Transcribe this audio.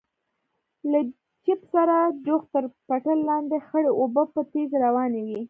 له جېپ سره جوخت تر پټلۍ لاندې خړې اوبه په تېزۍ روانې وې.